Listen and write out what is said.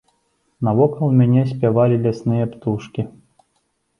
Навокал мяне спявалі лясныя птушкі.